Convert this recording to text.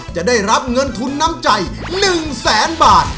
จะได้รับเงินทุนน้ำใจ๑แสนบาท